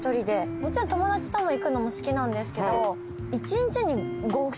もちろん友達とも行くのも好きなんですけど。